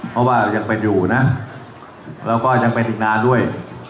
เพราะว่ายังเป็นอยู่นะแล้วก็ยังเป็นอีกนานด้วย